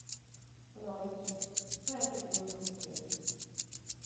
Поновит ћу: све је то било због снијега.